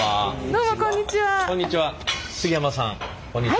どうもこんにちは。